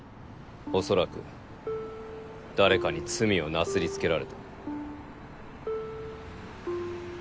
おそらく誰かに罪をなすりつけられた。